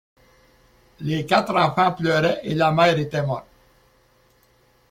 Les quatre enfants pleuraient et la mère était morte.